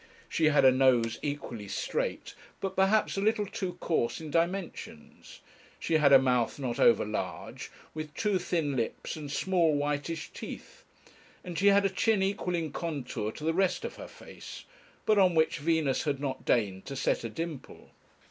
She had a nose equally straight, but perhaps a little too coarse in dimensions. She had a mouth not over large, with two thin lips and small whitish teeth; and she had a chin equal in contour to the rest of her face, but on which Venus had not deigned to set a dimple.